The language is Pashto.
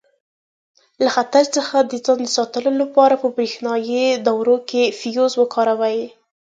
له خطر څخه د ځان ساتلو لپاره په برېښنایي دورو کې فیوز وکاروئ.